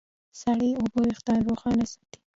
سړې اوبه وېښتيان روښانه ساتي.